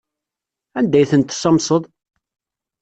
Anda ay ten-tessamseḍ?